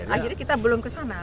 akhirnya kita belum kesana